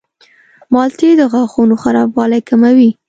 مالټې د غاښونو خرابوالی کموي.